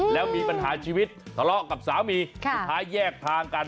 แล้วมีปัญหาชีวิตทะเลาะกับสามีสุดท้ายแยกทางกัน